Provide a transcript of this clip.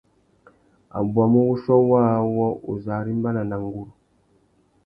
A bwamú wuchiô waā awô, uzu arimbana na nguru.